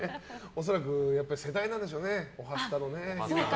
恐らく世代なんでしょうね「おはスタ」のね。